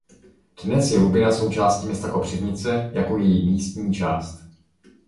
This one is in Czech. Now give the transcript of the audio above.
Dnes je Lubina součástí města Kopřivnice jako její místní část.